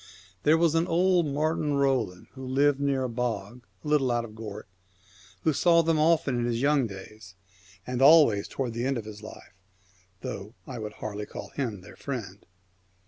There was an old Martin Roland, who lived near a bog a little out of Gort, who saw them often from his young days, and always towards the end of his life, though I would hardly call him their friend.